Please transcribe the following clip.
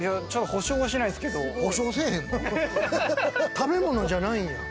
食べ物じゃないんや。